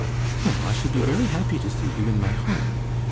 "Well, I should be very happy to see you in my home."